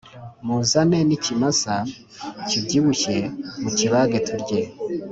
muzane nikimasa kibyibushye mukibage turye